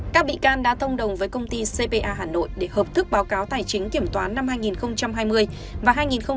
các bị can đã thông đồng với công ty cpa hà nội để hợp thức báo cáo tài chính kiểm toán năm hai nghìn hai mươi và hai nghìn hai mươi một